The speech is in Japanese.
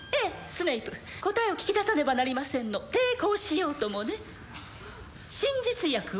スネイプ答えを聞き出さねばなりませんの抵抗しようともね真実薬は？